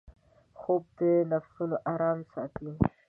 خوب د نفسونـو آرام ساتي